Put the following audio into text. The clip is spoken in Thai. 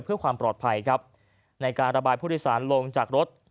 เพื่อความปลอดภัยครับในการระบายผู้โดยสารลงจากรถ